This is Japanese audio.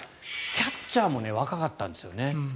キャッチャーも若かったんです。